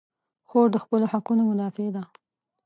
خور د خپلو حقونو مدافع ده.